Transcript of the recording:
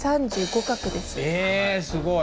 えすごい。